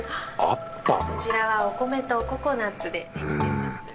こちらはお米とココナッツでできております。